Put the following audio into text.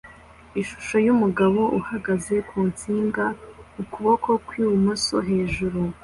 Ishusho yumugabo uhagaze ku nsinga ukuboko kwi bumoso hejuru